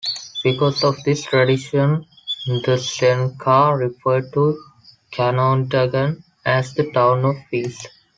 Because of this tradition, the Seneca refer to Ganondagan as the "Town of Peace".